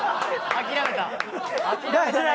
諦めたね